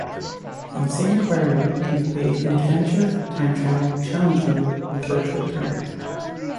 "Insaniquarium" can be played in Adventure, Time Trial, Challenge Mode, or Virtual Tank.